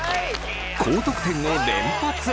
高得点を連発！